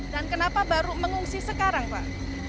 dan kenapa baru mengungsi sekarang pak